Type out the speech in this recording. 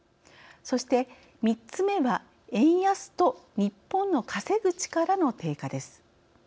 そして３つ目は円安と日本の稼ぐ力の低下です。